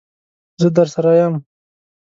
زه درسره یم.